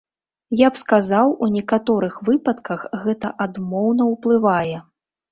Я б сказаў, у некаторых выпадках гэта адмоўна ўплывае.